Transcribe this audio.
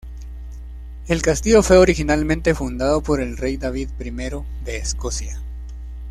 El castillo fue originalmente fundado por el rey David I de Escocia.